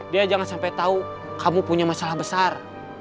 dia jangan sampai tahu kamu punya masalah besar